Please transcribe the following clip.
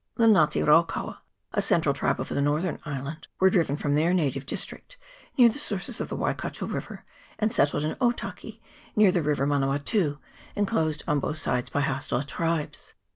The Nga te raukaua, a central tribe of the northern island, were driven from their native district, near the sources of the Waikato River, and settled in Otaki, near the River Manawatu, enclosed on both sides by hostile tribes.